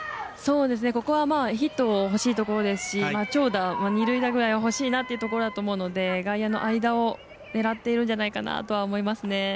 ここはヒット欲しいところですし長打は二塁打くらいは欲しいなというところだと思うので外野の間を狙っているんじゃないかなとは思いますね。